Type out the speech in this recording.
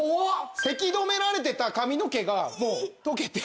せき止められてた髪の毛がもう溶けて。